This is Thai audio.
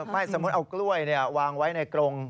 ไม่สมมุติเอากล้วยวางไว้ในกรง